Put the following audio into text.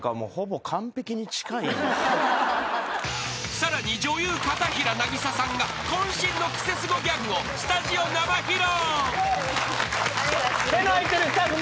［さらに女優片平なぎささんが渾身のクセスゴギャグをスタジオ生披露］